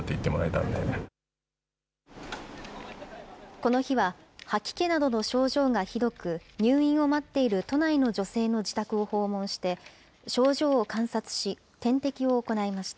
この日は、吐き気などの症状がひどく、入院を待っている都内の女性の自宅を訪問して、症状を観察し、点滴を行いました。